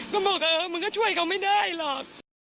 ก็บอกเออมันก็ช่วยเขาไม่ได้หรอก